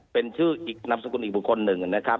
เป็นชื่ออีกนามสกุลอีกบุคคลหนึ่งนะครับ